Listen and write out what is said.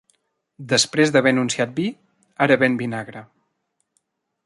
Després d'haver anunciat vi, ara ven vinagre.